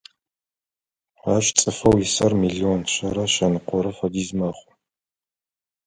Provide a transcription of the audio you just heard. Ащ цӏыфэу исыр миллиони шъэрэ шъэныкъорэ фэдиз мэхъу.